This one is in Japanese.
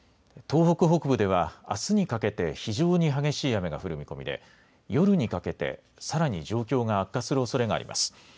東北北部ではあすにかけて非常に激しい雨が降る見込みで夜にかけてさらに状況が悪化するおそれがあります。